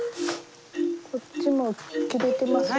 こっちも切れてますよ。